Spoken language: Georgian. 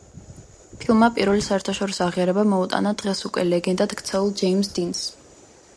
ფილმმა პირველი საერთაშორისო აღიარება მოუტანა დღეს უკვე ლეგენდად ქცეულ ჯეიმზ დინს.